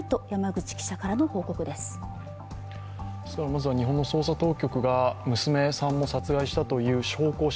まずは日本の捜査当局が娘さんも殺害したという証拠を